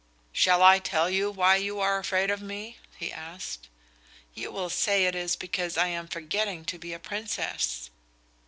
"Shall I tell you why you are afraid of me?" he asked. "You will say it is because I am forgetting to be a Princess."